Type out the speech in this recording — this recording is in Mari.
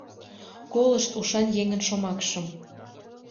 Колышт ушан еҥын шомакшым.